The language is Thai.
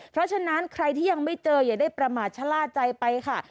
เพราะฉะนั้นใครที่ยังไม่เจออย่าได้ประมาทชะล่าใจไปค่ะ